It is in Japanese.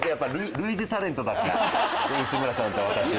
内村さんと私は。